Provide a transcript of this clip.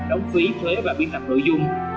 đóng phí thuế và biên tập nội dung